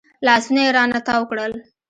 لاسونه يې رانه تاو کړل.